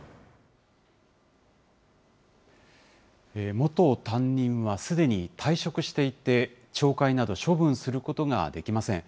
元担任はすでに退職していて、懲戒など処分することができません。